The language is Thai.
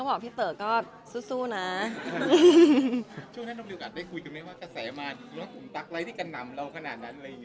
ใช่แล้วก็เหมือนไม่ได้เจอหรอกครับ